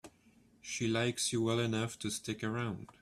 She likes you well enough to stick around.